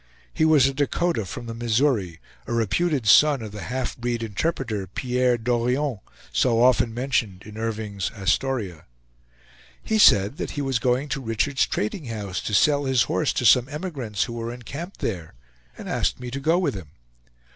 He was a Dakota from the Missouri, a reputed son of the half breed interpreter, Pierre Dorion, so often mentioned in Irving's "Astoria." He said that he was going to Richard's trading house to sell his horse to some emigrants who were encamped there, and asked me to go with him.